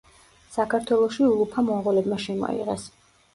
საქართველოში ულუფა მონღოლებმა შემოიღეს.